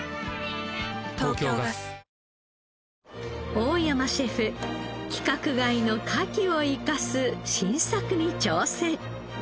大山シェフ規格外のカキを生かす新作に挑戦。